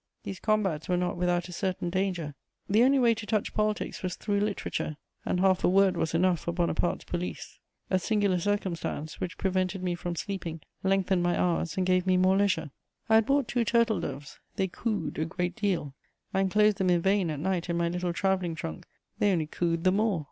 These combats were not without a certain danger: the only way to touch politics was through literature, and half a word was enough for Bonaparte's police. A singular circumstance, which prevented me from sleeping, lengthened my hours and gave me more leisure. I had bought two turtle doves; they cooed a great deal: I enclosed them in vain at night in my little travelling trunk; they only cooed the more.